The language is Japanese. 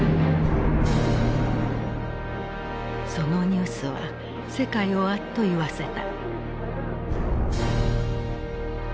そのニュースは世界をあっと言わせた。